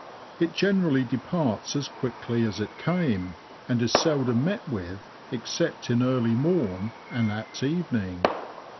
It generally departs as quickly as it came, and is seldom met with except in early morn and at evening.